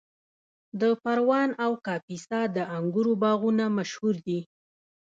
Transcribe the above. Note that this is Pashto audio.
د پروان او کاپیسا د انګورو باغونه مشهور دي.